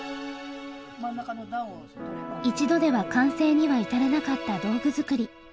一度では完成には至らなかった道具作り。